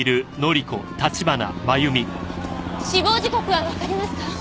死亡時刻はわかりますか？